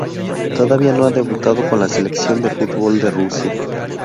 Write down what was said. Todavía no ha debutado con la Selección de fútbol de Rusia.